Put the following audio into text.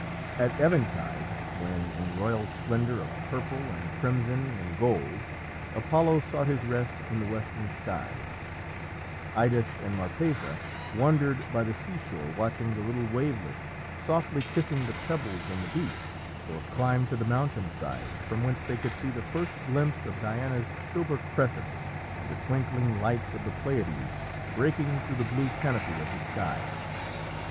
At eventide, when, in royal splendour of purple and crimson and gold, Apollo sought his rest in the western sky, Idas and Marpessa wandered by the seashore watching the little wavelets softly kissing the pebbles on the beach, or climbed to the mountain side from whence they could see the first glimpse of Diana's silver crescent and the twinkling lights of the Pleiades breaking through the blue canopy of the sky.